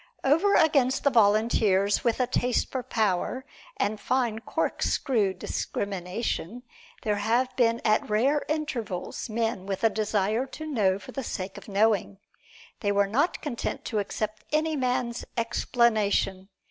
Over against the volunteers with a taste for power and a fine corkscrew discrimination, there have been at rare intervals men with a desire to know for the sake of knowing. They were not content to accept any man's explanation.